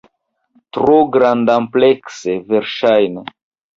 Tro grandamplekse, verŝajne.